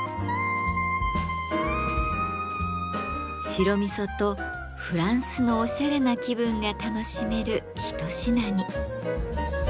白味噌とフランスのおしゃれな気分が楽しめる一品に。